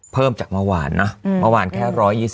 เพิ่มจากเมื่อวานนะเมื่อวานแค่๑๒๐